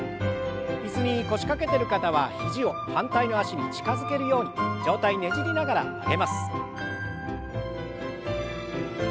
椅子に腰掛けてる方は肘を反対の脚に近づけるように上体ねじりながら曲げます。